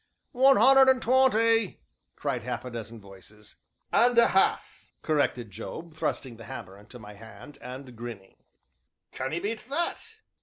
"One hunner and twenty!" cried half a dozen voices. "And a half," corrected Job, thrusting the hammer into my hand, and grinning. "Can 'ee beat that?"